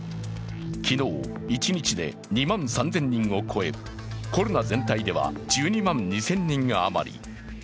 昨日一日で２万３０００人を超え、コロナ全体では１２万２０００人余り。